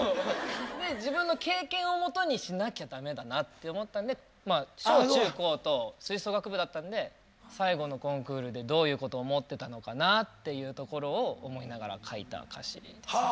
で自分の経験をもとにしなきゃ駄目だなって思ったんで小中高と吹奏楽部だったんで最後のコンクールでどういうこと思ってたのかなっていうところを思いながら書いた歌詞ですね。